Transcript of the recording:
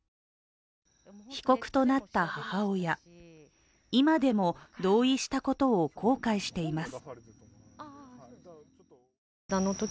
被告となった母親、今でも同意したことを後悔しています。